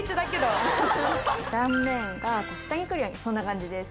断面が下にくるようにそんな感じです